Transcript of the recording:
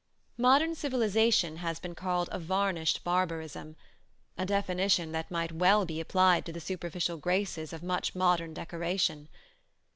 Modern civilization has been called a varnished barbarism: a definition that might well be applied to the superficial graces of much modern decoration.